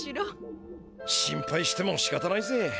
心配してもしかたないぜ。